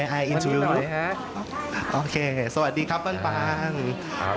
มาแล้วคุณผู้สาวสวยของเรานะฮะ